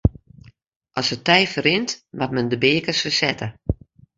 As it tij ferrint moat men de beakens fersette.